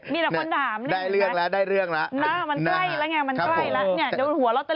มีแต่คนถามได้เรื่องแล้วได้เรื่องแล้ว